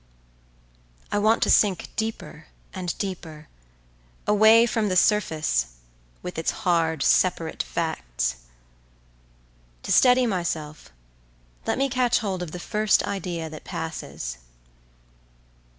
I want to sink deeper and deeper, away from the surface, with its hard separate facts. To steady myself, let me catch hold of the first idea that passes.